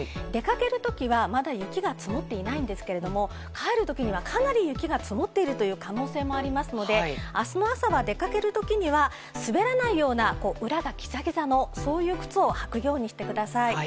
出かけるときは、まだ雪が積もっていないんですけれども、帰るときにはかなり雪が積もっているという可能性もありますので、あすの朝は出かけるときには、滑らないような、裏がぎざぎざの、そういう靴を履くようにしてください。